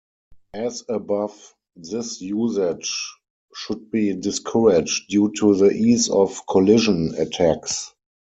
As above, this usage should be discouraged due to the ease of collision attacks.